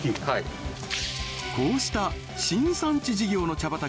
はいこうした新産地事業の茶